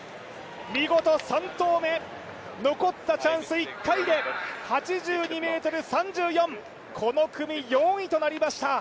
見事３投目、残ったチャンス１回で８２ｍ３４、この組４位となりました。